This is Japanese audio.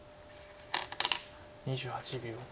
２８秒。